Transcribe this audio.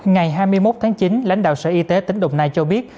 ngày hai mươi một tháng chín lãnh đạo sở y tế tỉnh đồng nai cho biết